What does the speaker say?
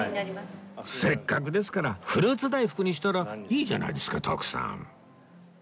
せっかくですからフルーツ大福にしたらいいじゃないですか徳さん